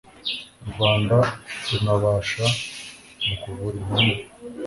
u Rwanda runabafasha mu kuvura inkomere